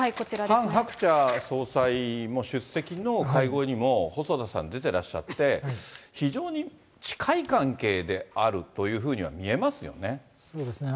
ハン・ハクチャ総裁も出席の会合にも、細田さん出てらっしゃって、非常に近い関係であるというふうそうですね。